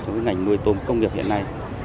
trong cái ngành nuôi tôm công nghiệp hiện nay